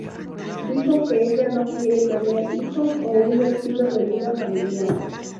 Dijo que ella no quiere tener hijos o un "estilo de vida familiar.